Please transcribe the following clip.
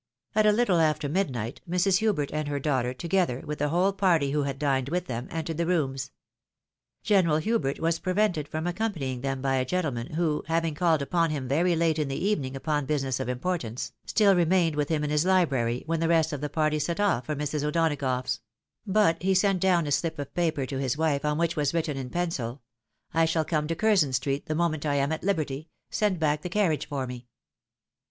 At a little after midnight, Mrs. Hubert and her daughter, toge ther with the whole party who had dined with them, entered the rooms. General Hubert was prevented from accompanying them by a gentleman, who, having called upon him very late in the evening upon business of importance, still remained with him in his hbrary, when the rest of the party set off for Mrs. O'Donagough's ; but he sent down a slip of paper to his wife, on which was written in pencil, " I shall come to Curzon street the moment I am at liberty — send back the carriage for me."